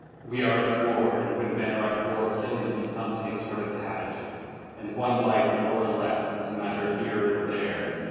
"We are at war, and when men are at war killing becomes a sort of habit, and one life more or less is neither here nor there."